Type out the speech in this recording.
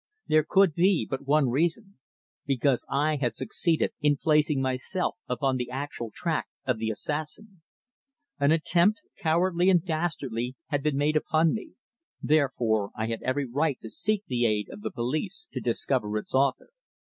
There could be but one reason. Because I had succeeded in placing myself upon the actual track of the assassin. An attempt, cowardly and dastardly, had been made upon me, therefore I had every right to seek the aid of the police to discover its author.